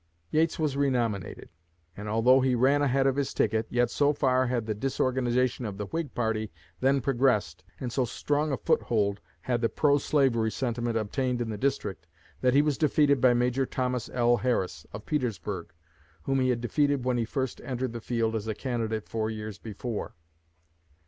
Yates was renominated; and although he ran ahead of his ticket, yet so far had the disorganization of the Whig party then progressed, and so strong a foothold had the pro slavery sentiment obtained in the district, that he was defeated by Major Thomas L. Harris, of Petersburg, whom he had defeated when he first entered the field as a candidate four years before.